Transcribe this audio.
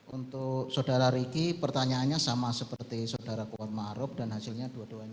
untuk saudara ricky pertanyaannya sama seperti saudara kuat maharuk dan hasilnya